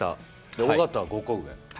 尾形は５個上。